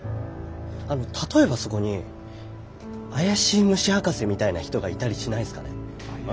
あの例えばそこに怪しい虫博士みたいな人がいたりしないですかね？